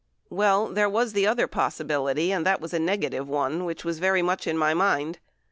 Well, there was the other possibility, and that was a negative one, which was very much in my mind.